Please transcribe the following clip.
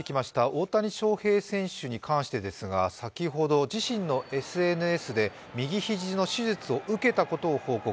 大谷翔平選手に関してですが先ほど、自身のＳＮＳで右肘の手術を受けたことを報告。